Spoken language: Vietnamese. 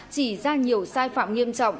chỉ ra nhiều sai phạm nghiêm trọng